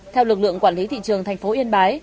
theo lực lượng quản lý thị trường thành phố yên bái